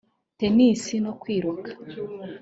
Tennis no kwiruka